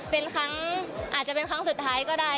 เป็นครั้งอาจจะเป็นครั้งสุดท้ายก็ได้